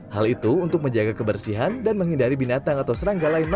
hal itu untuk menjaga kebersihan dan menghindari binatang atau serangga lain